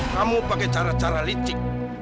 kamu pakai cara cara licik